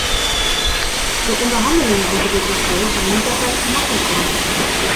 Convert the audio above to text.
De onderhandelingen over dit dossier zijn niet altijd gemakkelijk geweest.